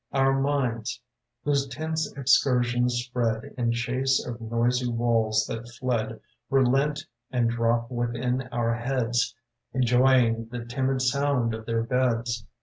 Our minds, whose tense excursions spread In chase of noisy walls that fled, Relent and drop within our heads, Enjoying the timid sound of their beds.